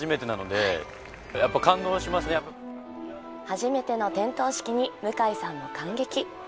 初めての点灯式に向井さんも感激。